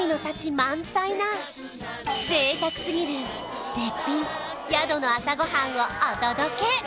満載なぜいたくすぎる絶品宿の朝ごはんをお届け！